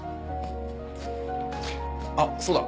あっそうだ。